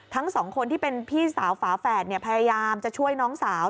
ทั้งสองคนที่เป็นพี่สาวฝาแฝดพยายามจะช่วยน้องสาว